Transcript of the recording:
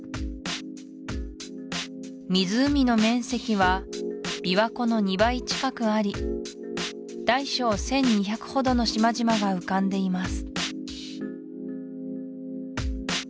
湖の面積は琵琶湖の２倍近くあり大小１２００ほどの島々が浮かんでいます